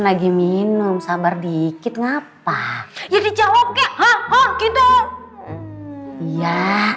lagi minum sabar dikit ngapa ya dijawabnya gitu ya